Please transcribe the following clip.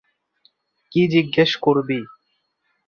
কী জিজ্ঞেস করবি?